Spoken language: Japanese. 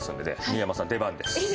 新山さん出番です。